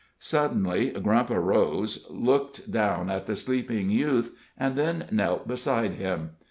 Suddenly Grump arose, looked down at the sleeping youth, and then knelt beside him.